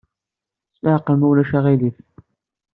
S leɛqel, ma ulac aɣilif.